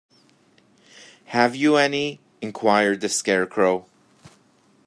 Have you any? enquired the Scarecrow.